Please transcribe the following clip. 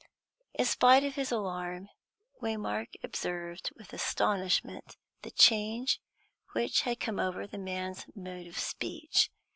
In spite of his alarm, Waymark observed with astonishment the change which had come over the man's mode of speech.